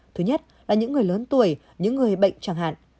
thứ nhất là những người lớn tuổi những người bệnh chẳng hạn